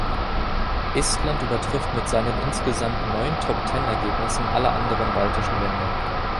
Estland übertrifft mit seinen insgesamt neun Top-Ten-Ergebnissen alle anderen baltischen Länder.